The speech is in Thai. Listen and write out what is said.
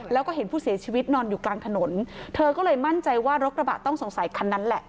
แล้วก็เห็นผู้เสียชีวิตนอนอยู่กลางถนนเธอก็เลยมั่นใจว่ารถกระบะต้องสงสัยคันนั้นแหละ